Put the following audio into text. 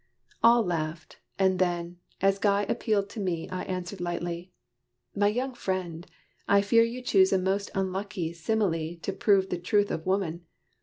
All laughed: and then, as Guy appealed to me I answered lightly, "My young friend, I fear You chose a most unlucky simile To prove the truth of woman.